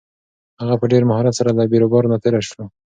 هغه په ډېر مهارت سره له بېروبار نه تېر شو.